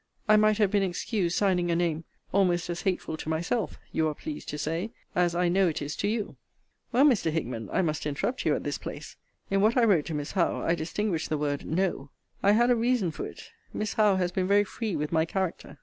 I might have been excused signing a name, almost as hateful to myself [you are pleased to say] as I KNOW it is to YOU Well, Mr. Hickman, I must interrupt you at this place. In what I wrote to Miss Howe, I distinguished the word KNOW. I had a reason for it. Miss Howe has been very free with my character.